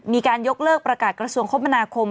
มีการยกเลิกประกาศกระทรวงคมนาคม